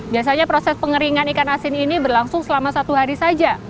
biasanya proses pengeringan ikan asin ini berlangsung selama satu hari saja